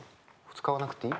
使わなくていい？